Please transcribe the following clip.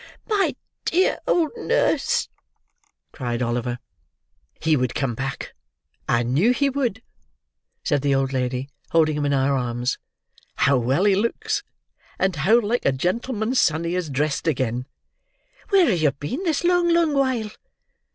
"My dear old nurse!" cried Oliver. "He would come back—I knew he would," said the old lady, holding him in her arms. "How well he looks, and how like a gentleman's son he is dressed again! Where have you been, this long, long while?